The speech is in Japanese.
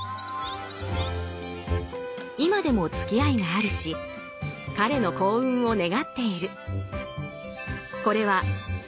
今でもつきあいがあるし彼の幸運を願っている。